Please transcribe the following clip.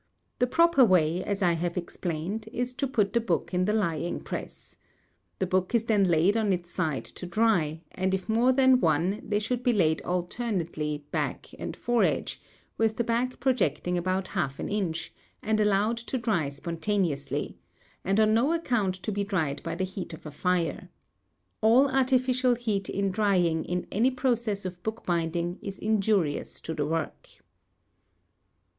The proper way, as I have explained, is to put the book in the lying press. The book is then laid on its side to dry, and if more than one, they should be laid alternately back and foredge, with the back projecting about half an inch, and allowed to dry spontaneously, and on no account to be dried by the heat of a fire. _All artificial heat in drying in any process of bookbinding is injurious to the work.